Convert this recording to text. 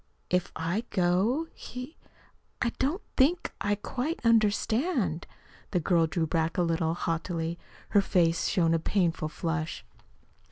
"If I go, he I don't think I quite understand." The girl drew back a little haughtily. Her face showed a painful flush.